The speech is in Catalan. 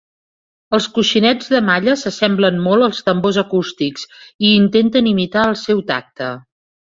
Els coixinets de malla s'assemblen molt als tambors acústics, i intenten imitar el seu tacte.